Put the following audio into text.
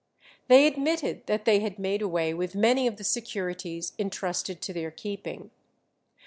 They admitted that they had made away with many of the securities intrusted to their keeping.